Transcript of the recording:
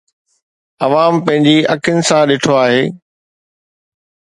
عوام پنهنجي اکين سان ڏٺو آهي.